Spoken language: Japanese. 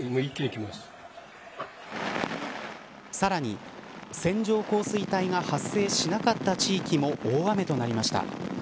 さらに線状降水帯が発生しなかった地域も大雨となりました。